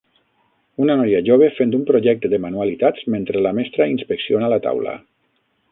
Una noia jove fent un projecte de manualitats mentre la mestra inspecciona la taula.